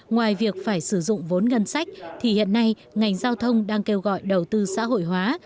ngoài việc phải sử dụng vốn ngân sách thì hiện nay ngành giao thông đang kêu gọi đầu tư xã hội hóa